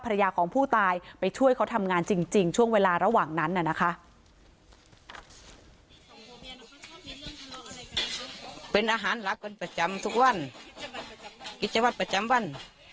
เป็นอาหารหลักเป็นประจำทุกวันพิจาวันประจำวัน